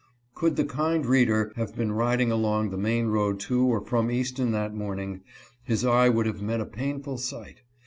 Could the kind reader have been riding along the main road to or from Easton that morning, his eye would have met a painful sight.